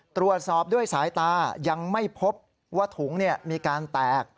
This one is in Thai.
ตรวจสอบด้วยสายตายังไม่พบว่าถุงมีการแตก